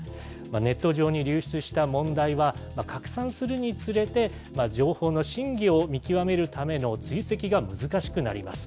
ネット上に流出した問題は、拡散するにつれて、情報の真偽を見極めるための追跡が難しくなります。